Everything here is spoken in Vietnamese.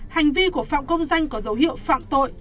hành vi của phạm công danh có dấu hiệu phạm tội